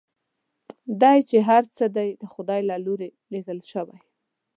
دی چې هر چېرته دی د خدای له لوري لېږل شوی.